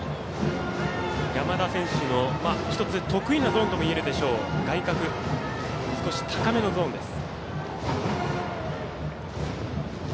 山田選手の１つ得意なゾーンともいえるでしょう外角、少し高めのゾーンです。